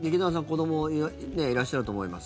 子どもいらっしゃると思います。